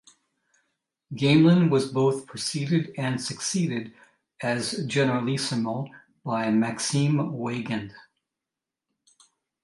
Gamelin was both preceded and succeeded as generalissimo by Maxime Weygand.